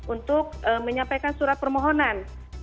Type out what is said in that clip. untuk menyampaikan surat permohonan